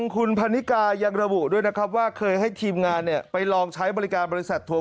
คุณพันนิกายังระบุด้วยนะครับว่าเคยให้ทีมงานไปลองใช้บริการบริษัททัวร์